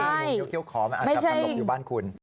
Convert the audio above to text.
งูเยี้ขอมันอาจจะถลบอยู่บ้านคุณ